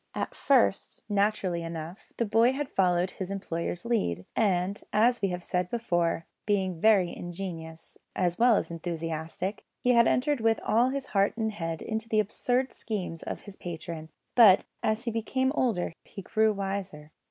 At first, naturally enough, the boy had followed his employer's lead, and, as we have said before, being very ingenious, as well as enthusiastic, had entered with all his heart and head into the absurd schemes of his patron; but as he became older he grew wiser.